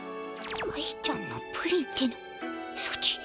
愛ちゃんのプリンてのソチ。